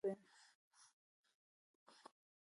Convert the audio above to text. او د للمې ګلونو، تنکۍ ریښو ته به،